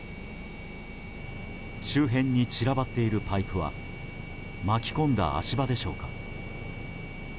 周辺に散らばっているパイプは巻き込んだ足場でしょうか。